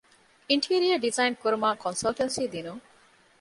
އިންޓީރިއަރ ޑިޒައިން ކުރުމާއި ކޮންސަލްޓަންސީ ދިނުން